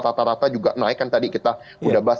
rata rata juga naik kan tadi kita sudah bahas